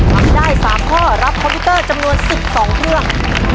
ทำได้๓ข้อรับคอมพิวเตอร์จำนวน๑๒เรื่อง